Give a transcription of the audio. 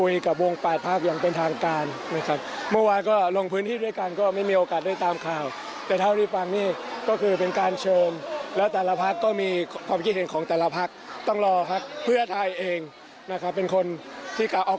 ยังเชื่อใจภักดิ์เพื่อไทยเหมือนเดิมไหมตอนนี้ครับ